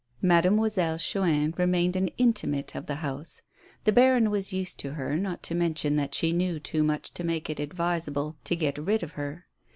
Mademoiselle Chuin had remained an inmate of the house. The baron was used to her, not to mention that she knew too much to make it advisable to get rid of her.